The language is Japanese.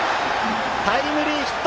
タイムリーヒット！